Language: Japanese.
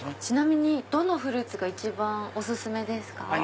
ちなみにどのフルーツが一番お薦めですか？